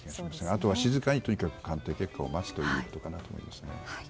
あとは静かにとにかく鑑定結果を待つということですね。